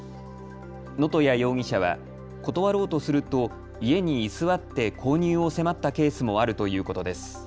能登谷容疑者は断ろうとすると家に居座って購入を迫ったケースもあるということです。